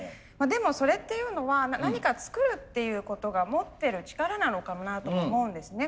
でもそれっていうのは何か作るっていうことが持ってる力なのかもなと思うんですね。